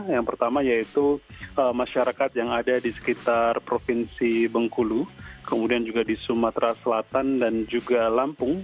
yang pertama yaitu masyarakat yang ada di sekitar provinsi bengkulu kemudian juga di sumatera selatan dan juga lampung